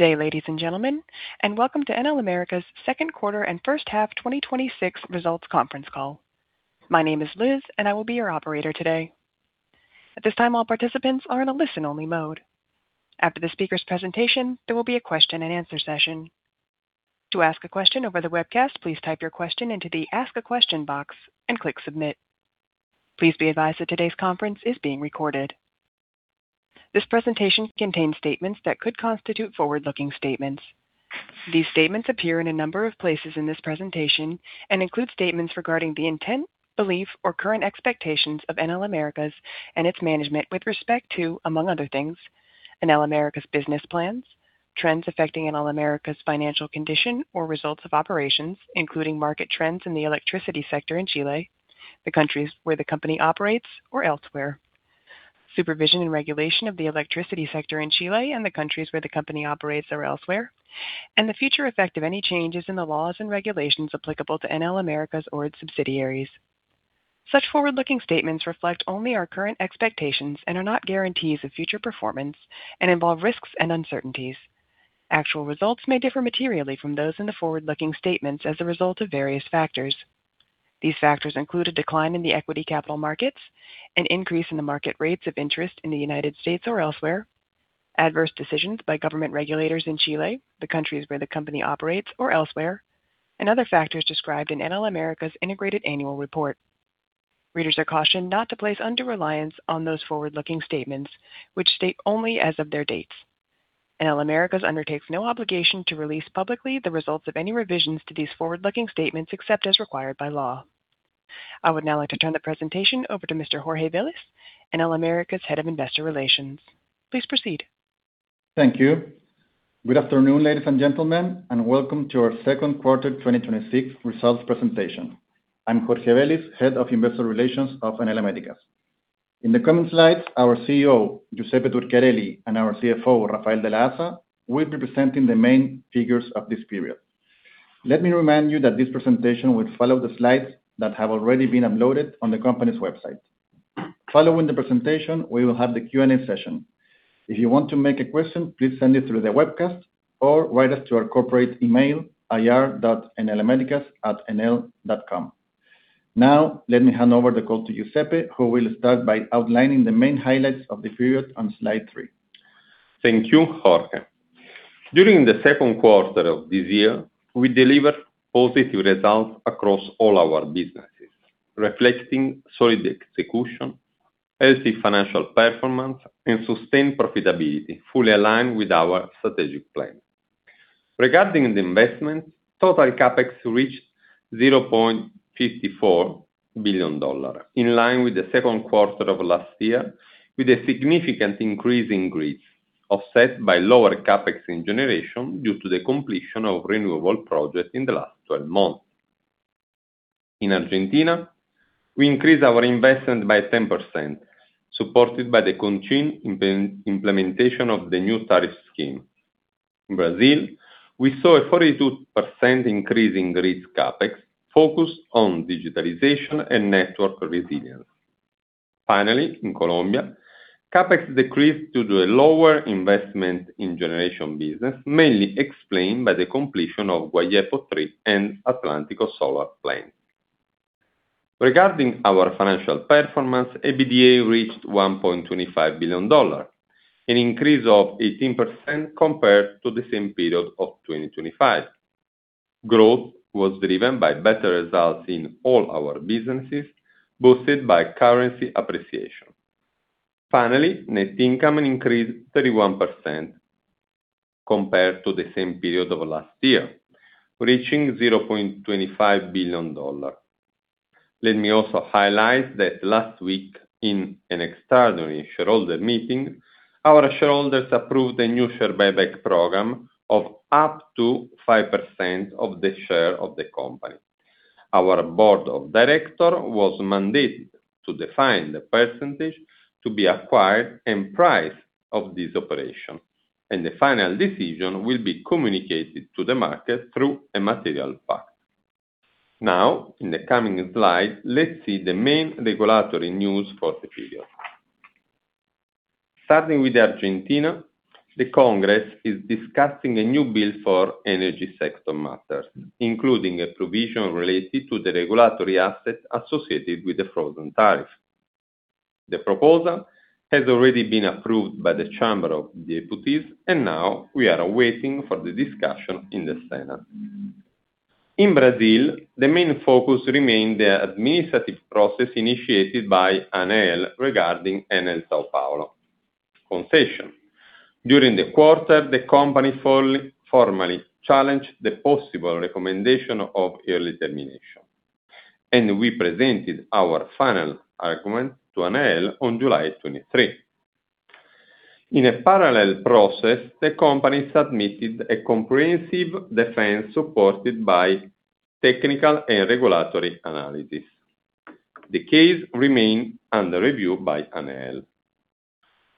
Good day, ladies and gentlemen, and welcome to Enel Américas' second quarter and first half 2026 results conference call. My name is Liz, and I will be your operator today. At this time, all participants are in a listen-only mode. After the speaker's presentation, there will be a question and answer session. To ask a question over the webcast, please type your question into the Ask a Question box and click Submit. Please be advised that today's conference is being recorded. This presentation contains statements that could constitute forward-looking statements. These statements appear in a number of places in this presentation include statements regarding the intent, belief, or current expectations of Enel Américas and its management with respect to, among other things, Enel Américas business plans, trends affecting Enel Américas financial condition or results of operations, including market trends in the electricity sector in Chile, the countries where the company operates or elsewhere, supervision and regulation of the electricity sector in Chile and the countries where the company operates or elsewhere, the future effect of any changes in the laws and regulations applicable to Enel Américas or its subsidiaries. Such forward-looking statements reflect only our current expectations and are not guarantees of future performance and involve risks and uncertainties. Actual results may differ materially from those in the forward-looking statements as a result of various factors. These factors include a decline in the equity capital markets, an increase in the market rates of interest in the U.S. or elsewhere, adverse decisions by government regulators in Chile, the countries where the company operates or elsewhere, and other factors described in Enel Américas Integrated Annual Report. Readers are cautioned not to place undue reliance on those forward-looking statements, which state only as of their dates. Enel Américas undertakes no obligation to release publicly the results of any revisions to these forward-looking statements except as required by law. I would now like to turn the presentation over to Mr. Jorge Velis, Enel Américas Head of Investor Relations. Please proceed. Thank you. Good afternoon, ladies and gentlemen, welcome to our second quarter 2026 results presentation. I'm Jorge Velis, Head of Investor Relations of Enel Américas. In the coming slides, our CEO, Giuseppe Turchiarelli, our CFO, Rafael de la Haza, will be presenting the main figures of this period. Let me remind you that this presentation will follow the slides that have already been uploaded on the company's website. Following the presentation, we will have the Q&A session. If you want to make a question, please send it through the webcast or write us to our corporate email, ir.enelamericas@enel.com. Let me hand over the call to Giuseppe, who will start by outlining the main highlights of the period on slide three. Thank you, Jorge. During the second quarter of this year, we delivered positive results across all our businesses, reflecting solid execution, healthy financial performance, and sustained profitability, fully aligned with our strategic plan. Regarding the investment, total CapEx reached $0.54 billion, in line with the second quarter of last year, with a significant increase in grids, offset by lower CapEx in generation due to the completion of renewable projects in the last 12 months. In Argentina, we increased our investment by 10%, supported by the continued implementation of the new tariff scheme. In Brazil, we saw a 42% increase in grid CapEx, focused on digitalization and network resilience. Finally, in Colombia, CapEx decreased due to a lower investment in generation business, mainly explained by the completion of Guayepo III and Atlántico solar plant. Regarding our financial performance, EBITDA reached $1.25 billion, an increase of 18% compared to the same period of 2025. Growth was driven by better results in all our businesses, boosted by currency appreciation. Finally, net income increased 31% compared to the same period of last year, reaching $0.25 billion. Let me also highlight that last week, in an extraordinary shareholder meeting, our shareholders approved a new share buyback program of up to 5% of the share of the company. Our Board of Directors was mandated to define the percentage to be acquired, and price of this operation, and the final decision will be communicated to the market through a material fact. Now, in the coming slide, let's see the main regulatory news for the period. Starting with Argentina, the Congress is discussing a new bill for energy sector matters, including a provision related to the regulatory assets associated with the frozen tariff. The proposal has already been approved by the Chamber of Deputies, and now we are waiting for the discussion in the Senate. In Brazil, the main focus remained the administrative process initiated by ANEEL regarding Enel São Paulo concession. During the quarter, the company formally challenged the possible recommendation of early termination, and we presented our final argument to ANEEL on July 23. In a parallel process, the company submitted a comprehensive defense supported by technical and regulatory analysis. The case remains under review by ANEEL.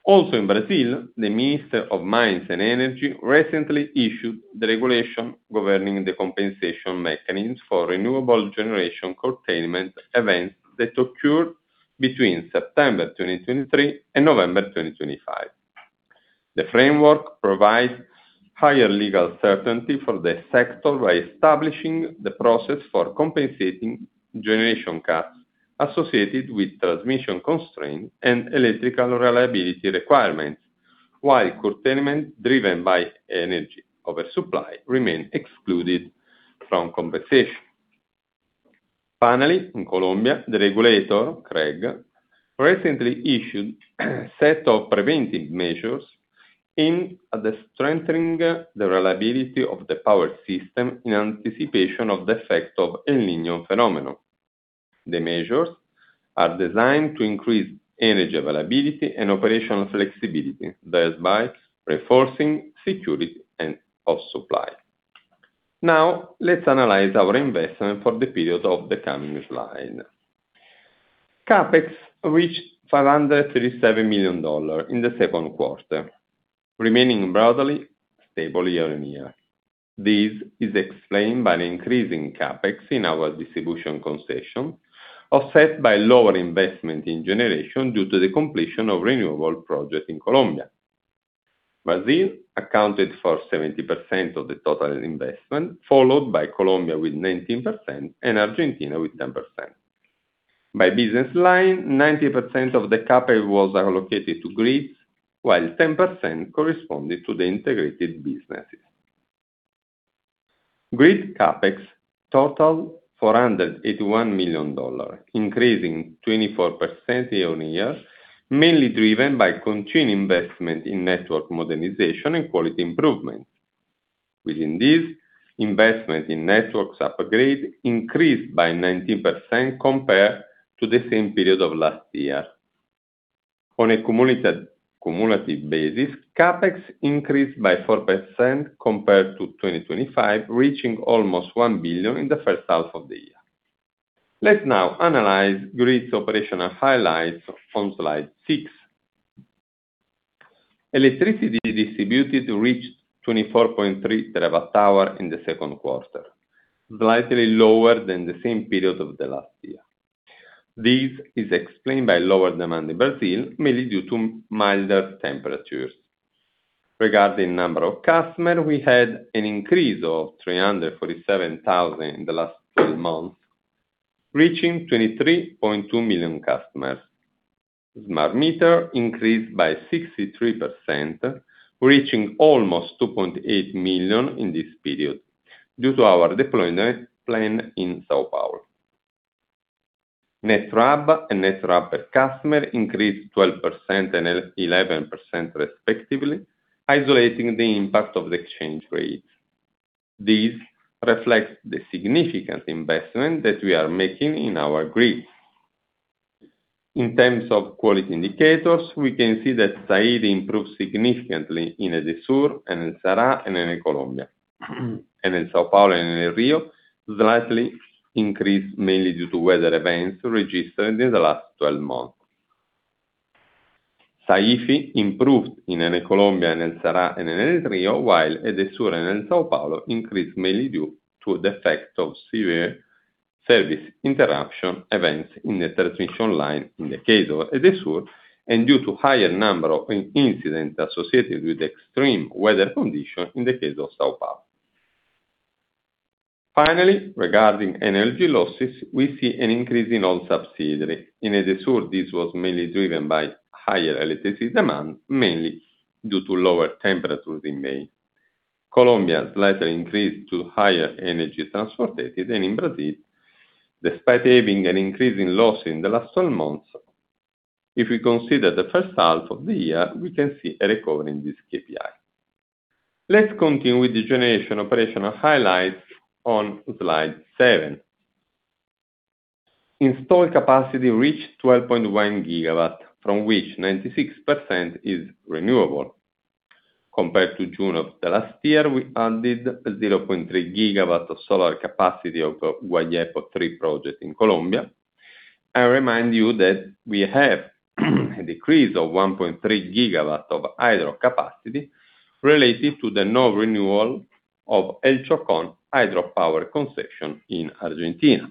Also in Brazil, the Minister of Mines and Energy recently issued the regulation governing the compensation mechanisms for renewable generation curtailment events that occurred between September 2023 and November 2025. The framework provides higher legal certainty for the sector by establishing the process for compensating generation cuts associated with transmission constraints and electrical reliability requirements, while curtailment driven by energy oversupply remains excluded from compensation. Finally, in Colombia, the regulator, CREG, recently issued a set of preventive measures aimed at strengthening the reliability of the power system in anticipation of the effect of El Niño phenomenon. The measures are designed to increase energy availability and operational flexibility, thereby reinforcing security and of supply. Now, let's analyze our investment for the period of the coming slide. CapEx reached $537 million in the second quarter, remaining broadly stable year-on-year. This is explained by an increase in CapEx in our distribution concession, offset by lower investment in generation due to the completion of renewable projects in Colombia. Brazil accounted for 70% of the total investment, followed by Colombia with 19%, and Argentina with 10%. By business line, 90% of the CapEx was allocated to grids, while 10% corresponded to the integrated businesses. Grid CapEx totaled $481 million, increasing 24% year-on-year, mainly driven by continued investment in network modernization and quality improvement. Within this, investment in networks upgrade increased by 19% compared to the same period of last year. On a cumulative basis, CapEx increased by 4% compared to 2025, reaching almost $1 billion in the first half of the year. Let's now analyze grid operational highlights from slide six. Electricity distributed reached 24.3 TWh in the second quarter, slightly lower than the same period of the last year. This is explained by lower demand in Brazil, mainly due to milder temperatures. Regarding number of customers, we had an increase of 347,000 in the last 12 months, reaching 23.2 million customers. Smart meter increased by 63%, reaching almost 2.8 million in this period, due to our deployment plan in São Paulo. Net RAB and net RAB per customer increased 12% and 11% respectively, isolating the impact of the exchange rate. This reflects the significant investment that we are making in our grid. In terms of quality indicators, we can see that SAIDI improved significantly in Edesur, Enel Ceará, and Enel Colombia. Enel São Paulo and Enel Rio slightly increased, mainly due to weather events registered in the last 12 months. SAIFI improved in Enel Colombia, Enel Ceará, and Enel Rio, while Edesur and Enel São Paulo increased mainly due to the effect of severe service interruption events in the transmission line in the case of Edesur, and due to higher number of incidents associated with extreme weather conditions in the case of São Paulo. Finally, regarding energy losses, we see an increase in all subsidiaries. In Edesur, this was mainly driven by higher electricity demand, mainly due to lower temperatures in May. Colombia slightly increased to higher energy transported. In Brazil, despite having an increase in loss in the last 12 months, if we consider the first half of the year, we can see a recovery in this KPI. Let's continue with the generation operational highlights on slide seven. Installed capacity reached 12.1 GW, from which 96% is renewable. Compared to June of the last year, we added 0.3 GW of solar capacity of Guayepo III project in Colombia. I remind you that we have a decrease of 1.3 GW of hydro capacity related to the no renewal of El Chocón hydropower concession in Argentina.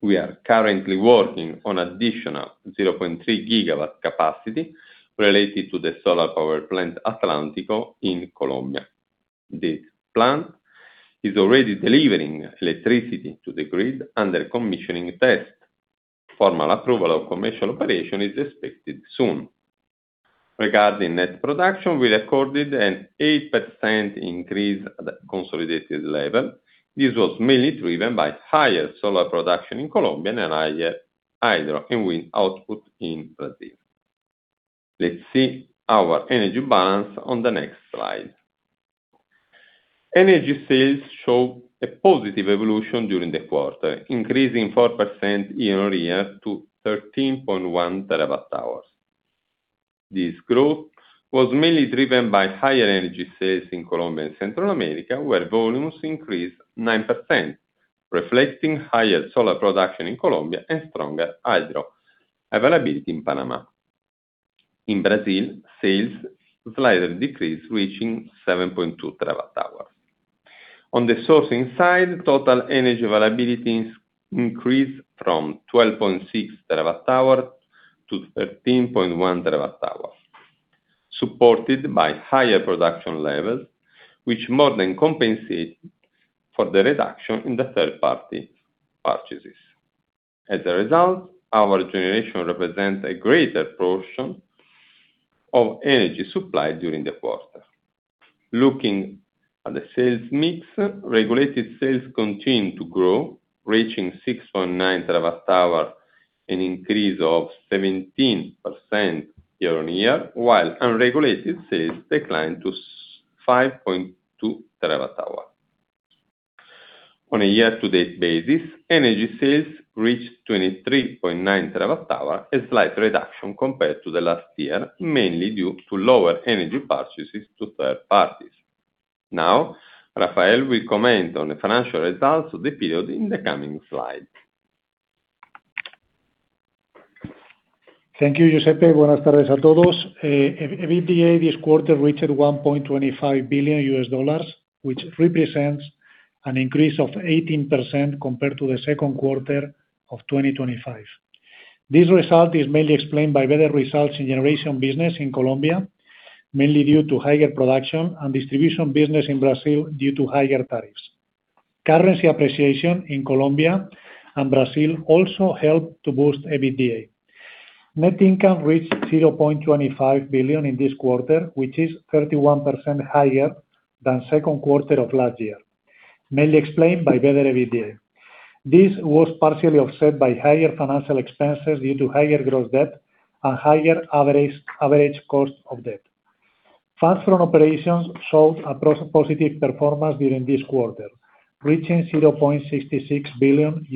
We are currently working on additional 0.3 GW capacity related to the solar power plant, Atlántico, in Colombia. This plant is already delivering electricity to the grid under commissioning test. Formal approval of commercial operation is expected soon. Regarding net production, we recorded an 8% increase at the consolidated level. This was mainly driven by higher solar production in Colombia and higher hydro and wind output in Brazil. Let's see our energy balance on the next slide. Energy sales show a positive evolution during the quarter, increasing 4% year-on-year to 13.1 TWh. This growth was mainly driven by higher energy sales in Colombia and Central America, where volumes increased 9%, reflecting higher solar production in Colombia and stronger hydro availability in Panama. In Brazil, sales slightly decreased, reaching 7.2 TWh. On the sourcing side, total energy availabilities increased from 12.6 TWh to 13.1 TWh, supported by higher production levels, which more than compensated for the reduction in the third-party purchases. As a result, our generation represents a greater portion of energy supply during the quarter. Looking at the sales mix, regulated sales continued to grow, reaching 6.9 TWh, an increase of 17% year-on-year, while unregulated sales declined to 5.2 TWh. On a year-to-date basis, energy sales reached 23.9 TWh, a slight reduction compared to the last year, mainly due to lower energy purchases to third parties. Rafael will comment on the financial results of the period in the coming slides. Thank you, Giuseppe. EBITDA this quarter reached $1.25 billion, which represents an increase of 18% compared to the second quarter of 2025. This result is mainly explained by better results in generation business in Colombia, mainly due to higher production and distribution business in Brazil due to higher tariffs. Currency appreciation in Colombia and Brazil also helped to boost EBITDA. Net income reached $0.25 billion in this quarter, which is 31% higher than second quarter of last year, mainly explained by better EBITDA. This was partially offset by higher financial expenses due to higher gross debt and higher average cost of debt. Funds from operations showed a positive performance during this quarter, reaching $0.66 billion.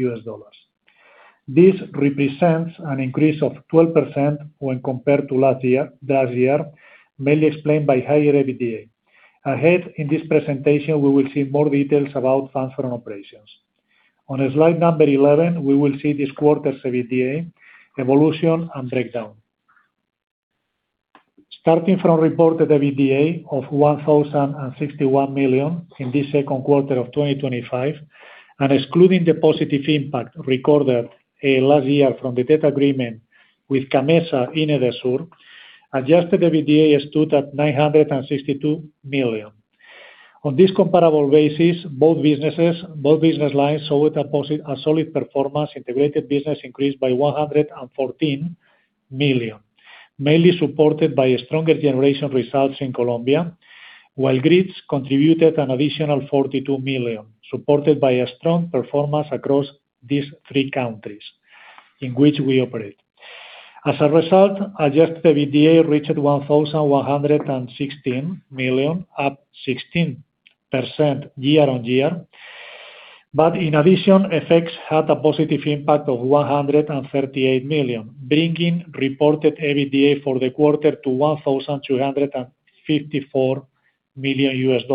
This represents an increase of 12% when compared to last year, mainly explained by higher EBITDA. Ahead in this presentation, we will see more details about funds from operations. On slide number 11, we will see this quarter's EBITDA evolution and breakdown. Starting from reported EBITDA of $1,061 million in this second quarter of 2025, and excluding the positive impact recorded last year from the debt agreement with CAMMESA in Edesur, adjusted EBITDA stood at $962 million. On this comparable basis, both business lines showed a solid performance. Integrated business increased by $114 million, mainly supported by a stronger generation of results in Colombia, while grids contributed an additional $42 million, supported by a strong performance across these three countries in which we operate. As a result, adjusted EBITDA reached $1,116 million, up 16% year-on-year. In addition, FX had a positive impact of $138 million, bringing reported EBITDA for the quarter to $1,354 million.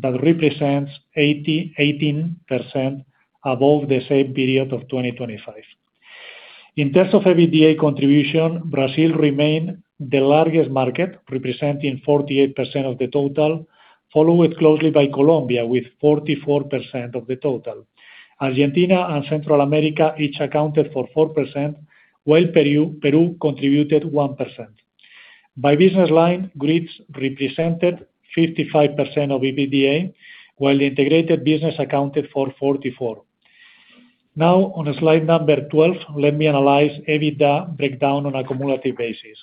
That represents 18% above the same period of 2025. In terms of EBITDA contribution, Brazil remained the largest market, representing 48% of the total, followed closely by Colombia with 44% of the total. Argentina and Central America each accounted for 4%, while Peru contributed 1%. By business line, grids represented 55% of EBITDA, while the integrated business accounted for 44%. On slide number 12, let me analyze EBITDA breakdown on a cumulative basis.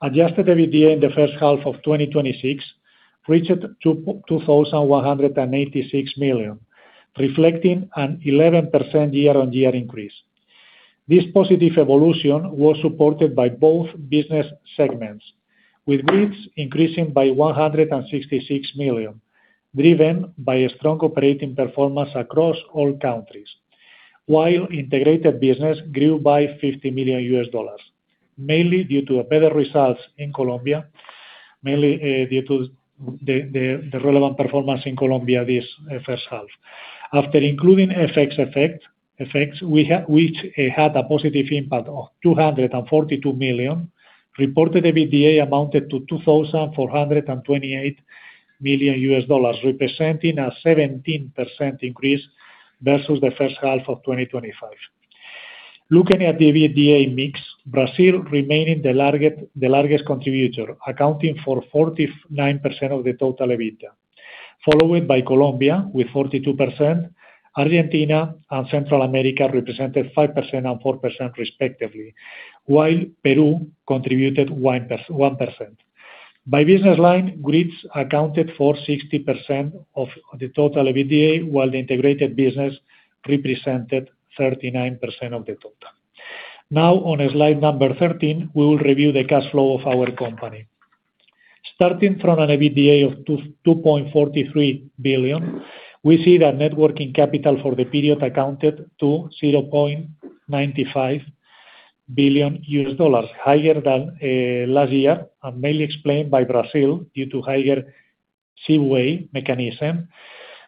Adjusted EBITDA in the first half of 2026 reached $2,186 million, reflecting an 11% year-on-year increase. This positive evolution was supported by both business segments, with grids increasing by $166 million, driven by a strong operating performance across all countries, while integrated business grew by $50 million, mainly due to better results in Colombia, mainly due to the relevant performance in Colombia this first half. After including FX effects, which had a positive impact of $242 million, reported EBITDA amounted to $2,428 million, representing a 17% increase versus the first half of 2025. Looking at the EBITDA mix, Brazil remaining the largest contributor, accounting for 49% of the total EBITDA, followed by Colombia with 42%. Argentina and Central America represented 5% and 4%, respectively, while Peru contributed 1%. By business line, grids accounted for 60% of the total EBITDA, while the integrated business represented 39% of the total. Now, on slide number 13, we will review the cash flow of our company. Starting from an EBITDA of $2.43 billion, we see that net working capital for the period accounted to $0.95 billion, higher than last year, and mainly explained by Brazil due to higher CVA mechanism,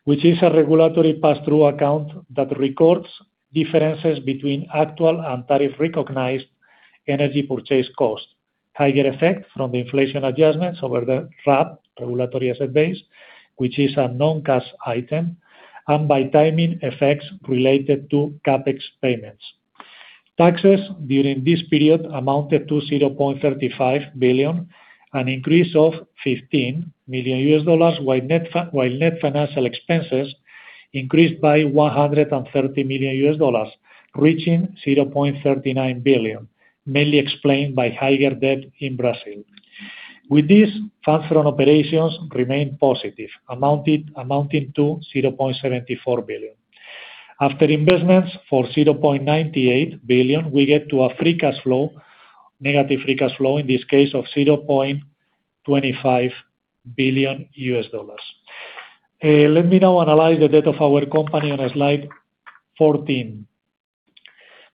which is a regulatory pass-through account that records differences between actual and tariff-recognized energy purchase costs, higher effect from the inflation adjustments over the RAB, Regulated Asset Base, which is a non-cash item, and by timing effects related to CapEx payments. Taxes during this period amounted to $0.35 billion, an increase of $15 million, while net financial expenses increased by $130 million, reaching $0.39 billion, mainly explained by higher debt in Brazil. With this, funds from operations remained positive, amounting to $0.74 billion. After investments for $0.98 billion, we get to a negative free cash flow, in this case, of $0.25 billion. Let me now analyze the debt of our company on slide 14.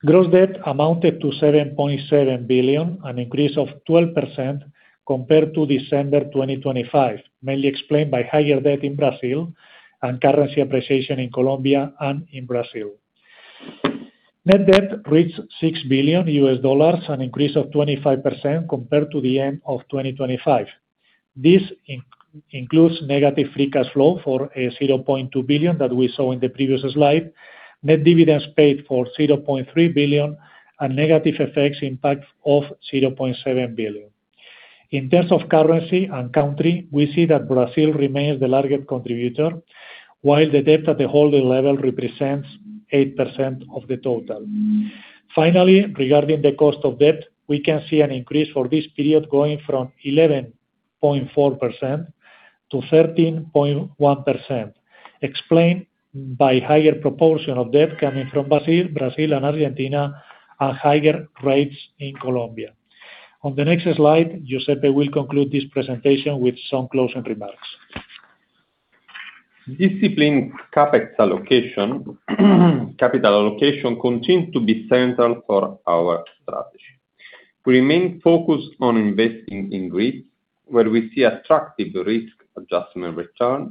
Gross debt amounted to $7.7 billion, an increase of 12% compared to December 2025, mainly explained by higher debt in Brazil and currency appreciation in Colombia and in Brazil. Net debt reached $6 billion, an increase of 25% compared to the end of 2025. This includes negative free cash flow for $0.2 billion that we saw in the previous slide, net dividends paid for $0.3 billion, and negative effects impact of $0.7 billion. In terms of currency and country, we see that Brazil remains the largest contributor, while the debt at the holding level represents 8% of the total. Finally, regarding the cost of debt, we can see an increase for this period going from 11.4% to 13.1%, explained by higher proportion of debt coming from Brazil and Argentina, and higher rates in Colombia. On the next slide, Giuseppe will conclude this presentation with some closing remarks. Disciplined capital allocation continues to be central for our strategy. We remain focused on investing in grids where we see attractive risk-adjusted returns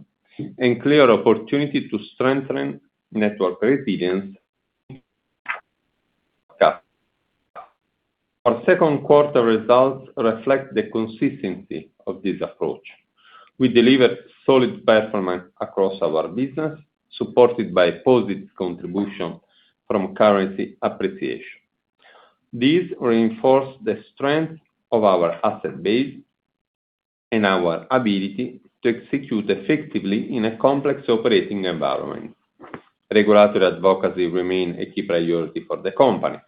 and clear opportunity to strengthen network resilience. Our second quarter results reflect the consistency of this approach. We delivered solid performance across our business, supported by positive contribution from currency appreciation. This reinforced the strength of our asset base and our ability to execute effectively in a complex operating environment. Regulatory advocacy remains a key priority for the company.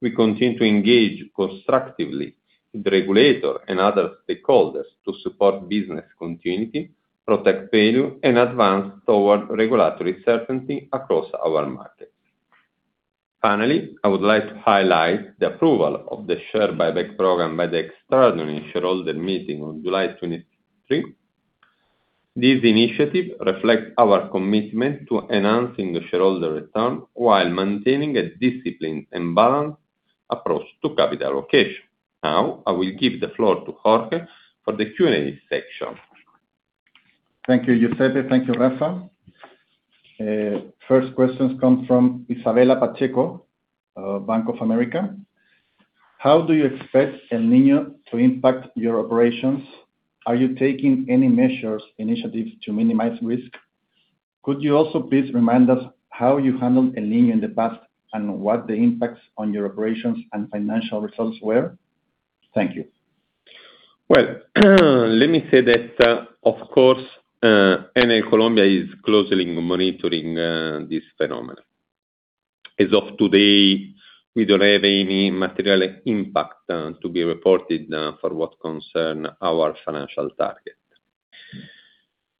We continue to engage constructively with the regulator and other stakeholders to support business continuity, protect value, and advance toward regulatory certainty across our markets. Finally, I would like to highlight the approval of the share buyback program by the extraordinary shareholder meeting on July 23. This initiative reflects our commitment to enhancing the shareholder return while maintaining a disciplined and balanced approach to capital allocation. I will give the floor to Jorge for the Q&A section. Thank you, Giuseppe. Thank you, Rafa. First question comes from Isabella Pacheco, Bank of America. How do you expect El Niño to impact your operations? Are you taking any measures, initiatives to minimize risk? Could you also please remind us how you handled El Niño in the past, and what the impacts on your operations and financial results were? Thank you. Let me say that, of course, ANEEL Colombia is closely monitoring this phenomenon. As of today, we don't have any material impact to be reported for what concern our financial target.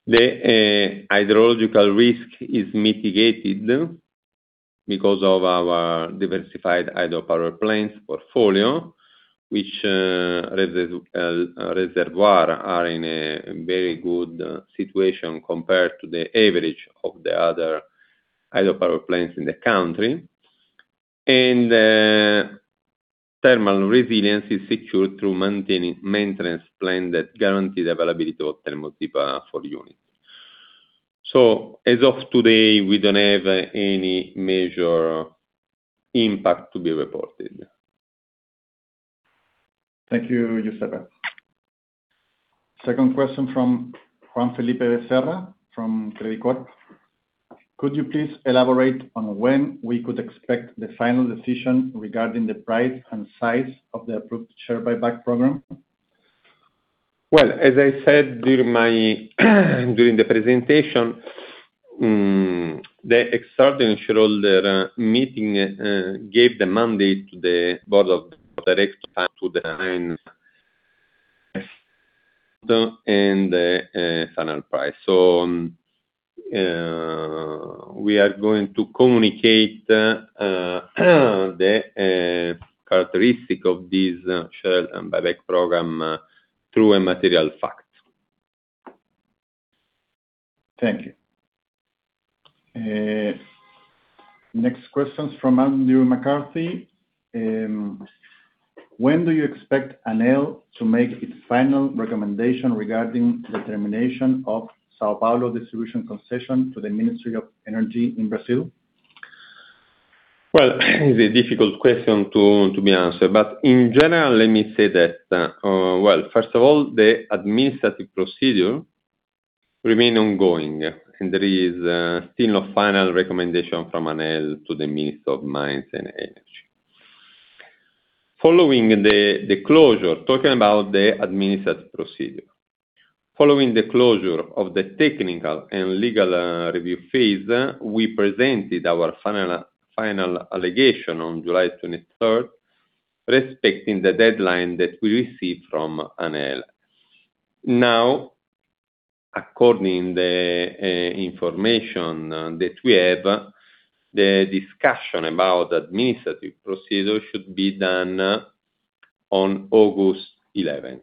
The hydrological risk is mitigated because of our diversified hydropower plants portfolio, which reservoirs are in a very good situation compared to the average of the other hydropower plants in the country. Thermal resilience is secured through maintenance plan that guarantees availability of thermal deep for the unit. As of today, we don't have any major impact to be reported. Thank you, Giuseppe. Second question from Juan Felipe Becerra from Credicorp. Could you please elaborate on when we could expect the final decision regarding the price and size of the approved share buyback program? Well, as I said during the presentation, the extraordinary shareholder meeting gave the mandate to the board of directors to design the final price. We are going to communicate the characteristic of this share buyback program through a material fact. Thank you. Next question is from Andrew McCarthy. When do you expect ANEEL to make its final recommendation regarding the termination of São Paulo distribution concession to the Ministry of Energy in Brazil? Well, it's a difficult question to be answered. In general, let me say that, first of all, the administrative procedure remain ongoing, and there is still no final recommendation from ANEEL to the Minister of Mines and Energy. Talking about the administrative procedure. Following the closure of the technical and legal review phase, we presented our final allegation on July 23rd, respecting the deadline that we received from ANEEL. According the information that we have, the discussion about administrative procedure should be done on August 11.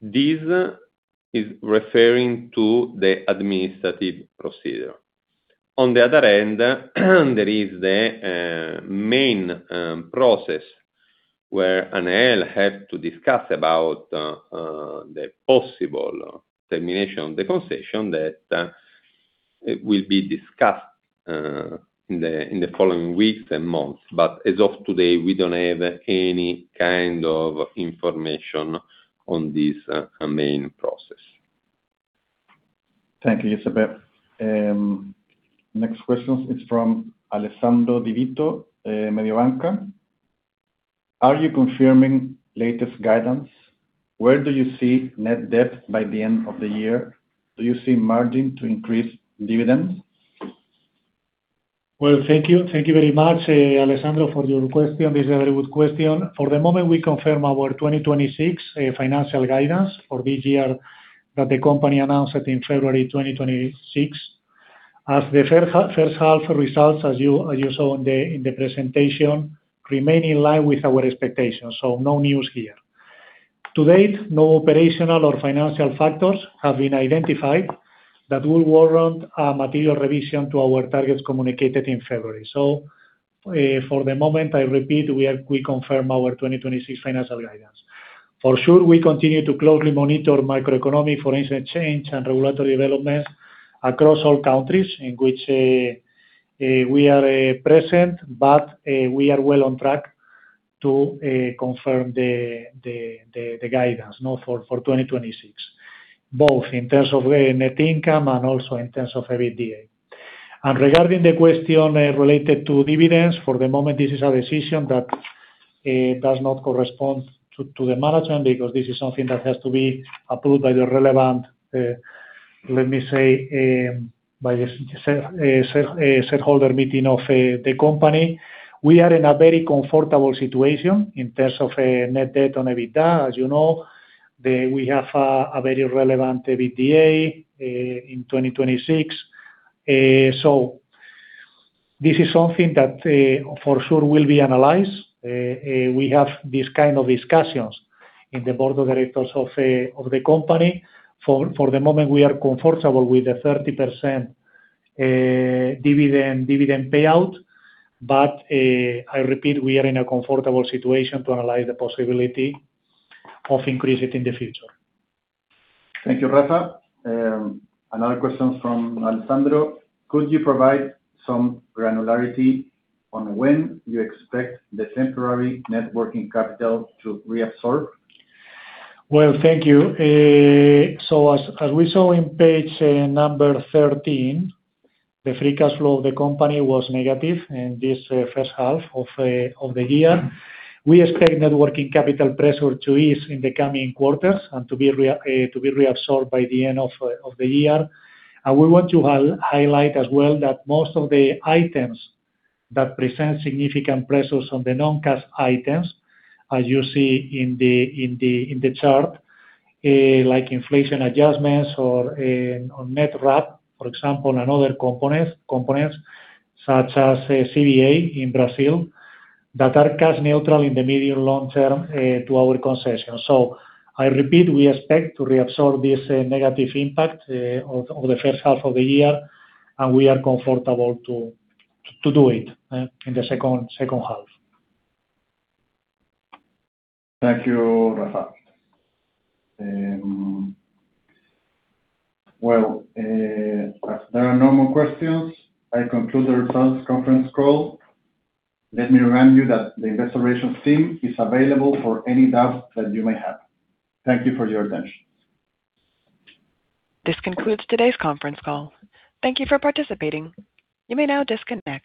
This is referring to the administrative procedure. On the other hand, there is the main process where ANEEL had to discuss about the possible termination of the concession that will be discussed in the following weeks and months. As of today, we don't have any kind of information on this main process. Thank you, Giuseppe. Next question is from Alessandro Di Vito, Mediobanca. Are you confirming latest guidance? Where do you see net debt by the end of the year? Do you see margin to increase dividends? Well, thank you. Thank you very much, Alessandro, for your question. This is a very good question. For the moment, we confirm our 2026 financial guidance for this year that the company announced in February 2026. The first half results, as you saw in the presentation, remain in line with our expectations. No news here. To date, no operational or financial factors have been identified that will warrant a material revision to our targets communicated in February. For the moment, I repeat, we confirm our 2026 financial guidance. For sure, we continue to closely monitor macroeconomic foreign exchange and regulatory developments across all countries in which we are present. We are well on track to confirm the guidance now for 2026, both in terms of net income and also in terms of EBITDA. Regarding the question related to dividends, for the moment, this is a decision that does not correspond to the management because this is something that has to be approved by the shareholder meeting of the company. We are in a very comfortable situation in terms of net debt on EBITDA. You know, we have a very relevant EBITDA in 2026. This is something that for sure will be analyzed. We have these kind of discussions in the Board of Directors of the company. For the moment, we are comfortable with the 30% dividend payout. I repeat, we are in a comfortable situation to analyze the possibility of increase it in the future. Thank you, Rafa. Another question from Alessandro. Could you provide some granularity on when you expect the temporary net working capital to reabsorb? Well, thank you. As we saw on page 13, the free cash flow of the company was negative in this first half of the year. We expect net working capital pressure to ease in the coming quarters and to be reabsorbed by the end of the year. We want to highlight as well that most of the items that present significant pressures on the non-cash items, as you see in the chart, like inflation adjustments or net RAB, for example, and other components such as CVA in Brazil that are cash neutral in the medium long term to our concession. I repeat, we expect to reabsorb this negative impact of the first half of the year, and we are comfortable to do it in the second half. Thank you, Rafa. Well, as there are no more questions, I conclude the results conference call. Let me remind you that the investor relations team is available for any doubt that you may have. Thank you for your attention. This concludes today's conference call. Thank you for participating. You may now disconnect.